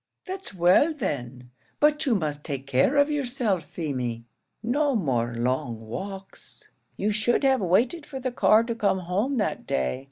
"That's well, then; but you must take care of yourself, Feemy; no more long walks; you should have waited for the car to come home that day.